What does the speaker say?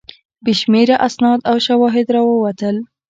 بې شمېره اسناد او شواهد راووتل.